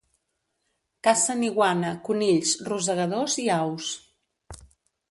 Cacen iguana, conills, rosegadors i aus.